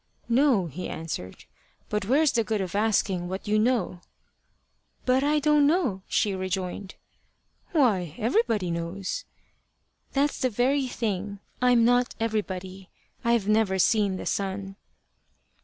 "No," he answered. "But where's the good of asking what you know?" "But I don't know," she rejoined. "Why, everybody knows." "That's the very thing: I'm not everybody. I've never seen the sun."